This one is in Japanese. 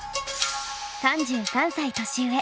３３歳年上。